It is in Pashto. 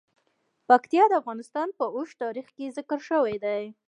پکتیا د افغانستان په اوږده تاریخ کې ذکر شوی دی.